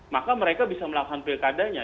maka mereka bisa melakukan pilkadanya